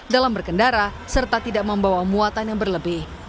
dalam berkendara serta tidak membawa muatan yang berlebih